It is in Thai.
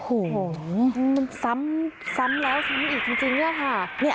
โอ้โหมันซ้ำแล้วซ้ำอีกจริงเนี่ยค่ะ